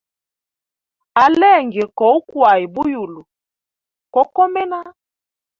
Alenge koukwaya buyulu ko komena.